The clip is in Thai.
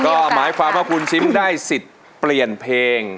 ก็หมายความว่าคุณซิมได้สิทธิ์เปลี่ยนเพลง